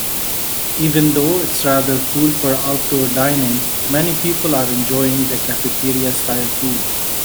Even though it 's rather cool for outdoor dining, many people are enjoying the cafeteriastyle food.